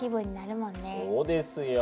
そうですよ。